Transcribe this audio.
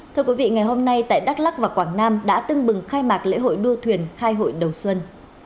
thưa quý vị ngày hôm nay tại đắk lắc và quảng nam đã tưng bừng khai mạc lễ hội đua thuyền khai hội đồng xuân